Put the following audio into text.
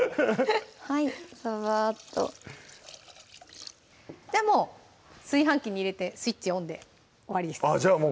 はいざばーっとじゃあもう炊飯器に入れてスイッチオンで終わりですあっじゃあ